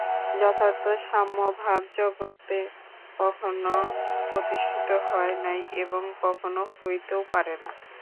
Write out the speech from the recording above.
যথার্থ সাম্যভাব জগতে কখনও প্রতিষ্ঠিত হয় নাই এবং কখনও হইতেও পারে না।